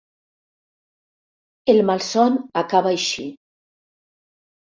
El malson acabava així.